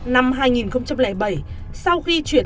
năm hai nghìn bảy sau khi chuyển